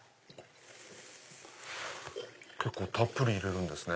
結構たっぷり入れるんですね。